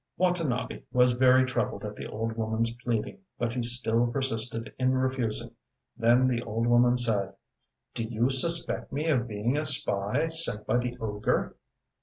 ŌĆØ Watanabe was very troubled at the old womanŌĆÖs pleading, but he still persisted in refusing. Then the old woman said: ŌĆ£Do you suspect me of being a spy sent by the ogre?